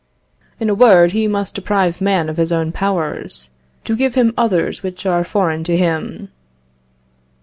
In a word, he must deprive man of his own powers, to give him others which are foreign to him."